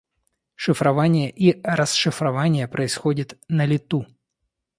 Шифрование и расшифрование происходит «на лету»